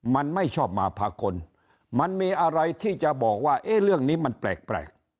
มันไม่ชอบมาพากลมันมีอะไรที่จะบอกว่าเอ๊ะเรื่องนี้มันแปลก